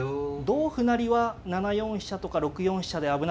同歩成は７四飛車とか６四飛車で危ないですね。